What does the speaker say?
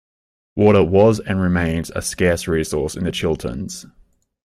Water was and remains a scarce resource in the Chilterns.